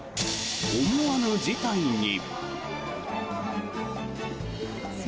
思わぬ事態に。